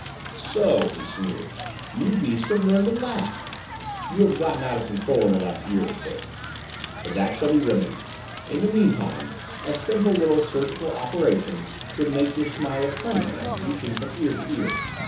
"So!" he sneered. "You beasts have learned to laugh. You have gotten out of control in the last year or so. But that shall be remedied. In the meantime, a simple little surgical operation would make your smile a permanent one, reaching from ear to ear.